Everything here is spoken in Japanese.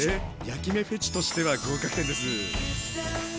焼き目フェチとしては合格点です。